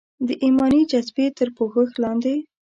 د ایماني جذبې تر پوښښ لاندې.